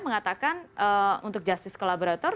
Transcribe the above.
mengatakan untuk justice collaborator